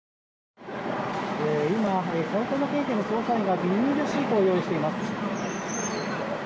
今、埼玉県警の捜査員がビニールシートを用意しています。